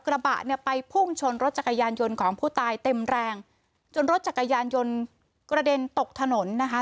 กระบะเนี่ยไปพุ่งชนรถจักรยานยนต์ของผู้ตายเต็มแรงจนรถจักรยานยนต์กระเด็นตกถนนนะคะ